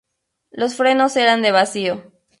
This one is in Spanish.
Los frenos eran de vacío.